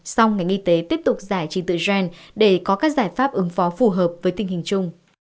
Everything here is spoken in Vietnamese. song ngành y tế tiếp tục giải trình tự gen để có các giải pháp ứng phó phù hợp với tình hình chung